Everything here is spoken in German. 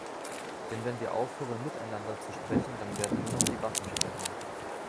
Denn wenn wir aufhören, miteinander zu sprechen, dann werden nur noch die Waffen sprechen.